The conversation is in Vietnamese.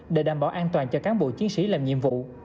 để đảm bảo an toàn cho cán bộ chiến sĩ làm nhiệm vụ